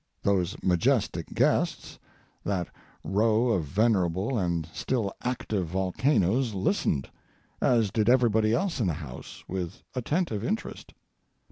Those majestic guests; that row of venerable and still active volcanoes, listened; as did everybody else in the house, with attentive interest.